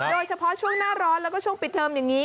โดยเฉพาะช่วงหน้าร้อนแล้วก็ช่วงปิดเทอมอย่างนี้